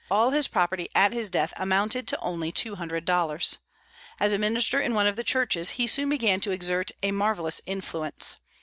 All his property at his death amounted to only two hundred dollars. As a minister in one of the churches, he soon began to exert a marvellous influence.